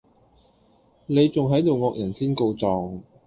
你仲係度惡人先告狀